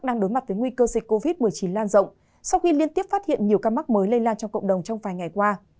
đang đối mặt với nguy cơ dịch covid một mươi chín lan rộng sau khi liên tiếp phát hiện nhiều ca mắc mới lây lan trong cộng đồng trong vài ngày qua